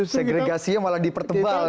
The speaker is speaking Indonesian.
segregasi yang malah dipertebal